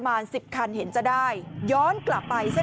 กลุ่มหนึ่งก็คือ